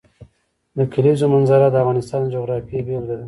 د کلیزو منظره د افغانستان د جغرافیې بېلګه ده.